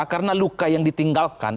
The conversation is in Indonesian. karena luka yang ditinggalkan